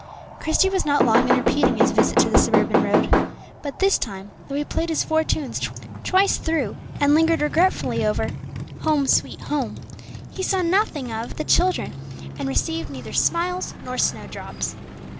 Christie was not long in repeating his visit to the suburban road, but this time, though he played his four tunes twice through and lingered regretfully over "Home, sweet Home," he saw nothing of the children, and received neither smiles nor snowdrops.